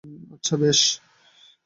আচ্ছা, বেশ।